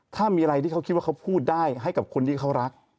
ถ้ามีอะไรที่เขาคิดว่าเขาพูดได้ให้กับคนที่เขารัก